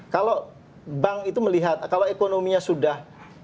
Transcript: kalau bank itu melihat kalau ekonominya sudah